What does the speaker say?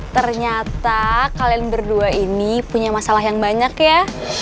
ternyata kalian berdua ini punya masalah yang banyak ya